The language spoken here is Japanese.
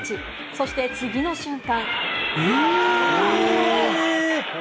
そして次の瞬間。